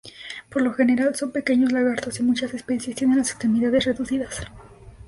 Por lo general son pequeños lagartos y muchas especies tienen las extremidades reducidas.